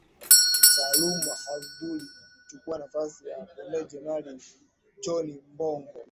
Salum Hamduni kuchukua nafasi ya Brigedia Jenerali John Mbungo